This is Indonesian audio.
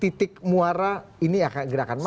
tapi ketika muara ini ya kan gerakan maka